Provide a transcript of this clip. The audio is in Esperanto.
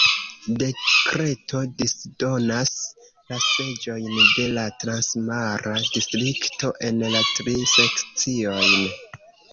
Dekreto disdonas la seĝojn de la transmara distrikto en la tri sekciojn.